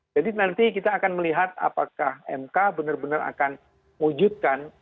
jadi nanti kita akan melihat apakah mk benar benar akan wujudkan